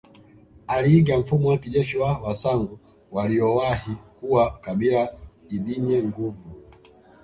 Aliiga mfumo wa kijeshi wa wasangu waliowahi kuwa kabila ldnye nguvu